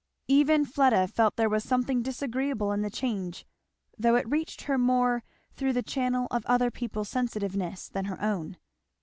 Even Fleda felt there was something disagreeable in the change, though it reached her more through the channel of other people's sensitiveness than her own.